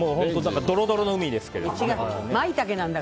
ドロドロの海ですけど。